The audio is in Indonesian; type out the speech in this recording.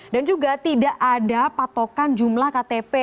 dan juga tidak ada patokan jumlah ktp